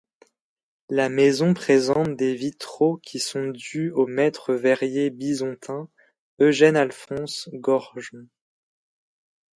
La maison présente des vitraux qui sont dues au maitre verrier bisontin Eugène-Alphonse Gorgeon.